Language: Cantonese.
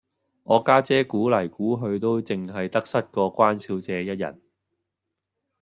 我家姐估黎估去都淨係得失過關小姐一人